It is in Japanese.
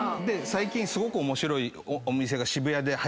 最近すごく面白いお店が渋谷ではやってまして。